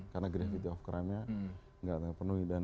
karena gravity of crime nya tidak akan penuhi